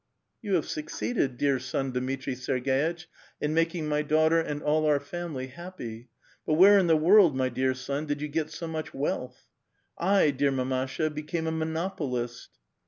'^ Yon have succeeded, dear son Dmitri Scrgc^'itch, in mak ing my daughter and all our family happy ; but where in the world, my dear son, did you get so much wealth?" *' I, dear mamasha^ became a monoi)olist